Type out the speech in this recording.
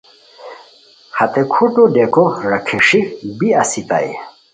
ہتے کھوٹو ڈیکو راکھیݰی بی اسیتائے